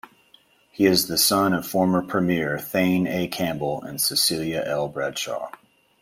He is the son of former premier Thane A. Campbell and Cecilia L. Bradshaw.